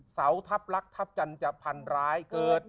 เสาทัพรักษ์ฉันจะพันดราช